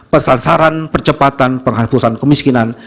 persasaran percepatan penghasusan kemiskinan